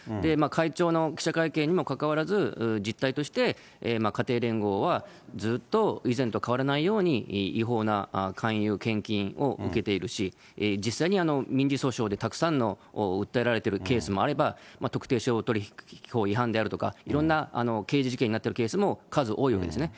会長の記者会見にもかかわらず、実態として、家庭連合はずっと以前と変わらないように、違法な勧誘、献金を受けているし、実際に民事訴訟でたくさんの訴えられているケースもあれば、特定商取引法違反であるとか、いろんな刑事事件になってるケースも数多いわけですね。